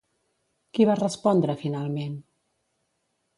Qui va respondre finalment?